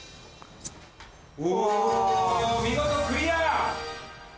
お見事クリア。